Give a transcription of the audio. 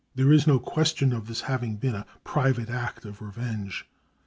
There is no question of this having been a private act of revenge.